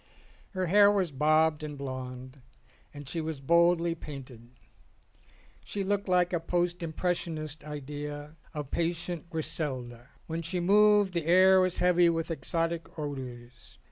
Her hair was bobbed and blonde, and she was boldly painted. She looked like a post impressionist's idea of patient Griselda. When she moved the air was heavy with exotic odours.